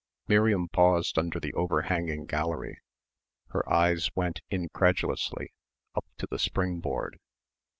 Miriam paused under the overhanging gallery. Her eyes went, incredulously, up to the springboard.